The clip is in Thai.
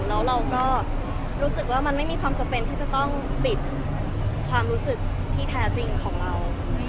แล้วเราก็รู้สึกว่ามันไม่มีความจำเป็นที่จะต้องปิดความรู้สึกที่แท้จริงของเรา